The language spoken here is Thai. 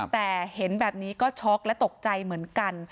แต่เห็นแบบนี้ก็ช็อกและตกใจเหมือนกัน